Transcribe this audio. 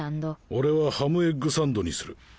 俺はハムエッグサンドにする。